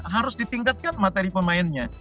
harus ditingkatkan materi pemainnya